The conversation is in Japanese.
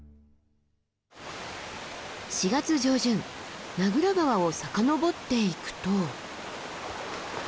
４月上旬名蔵川を遡っていくと。